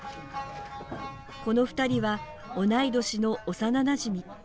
この２人は、同い年の幼なじみ。